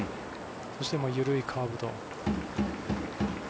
そして、緩いカーブと。